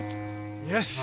よし。